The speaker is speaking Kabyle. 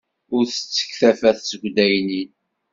Ur d-tettekk tafat seg uddaynin.